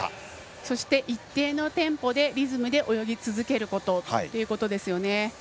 そして一定のテンポでリズムで泳ぎ続けることということですよね。